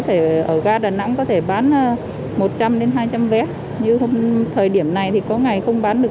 thể ở ga đà nẵng có thể bán một trăm linh hai trăm linh vé như thời điểm này thì có ngày không bán được